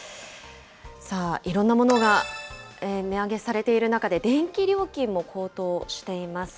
さあ、いろんなものが値上げされている中で、電気料金も高騰しています。